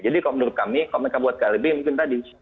jadi kalau menurut kami komitmen kabupaten klb mungkin tadi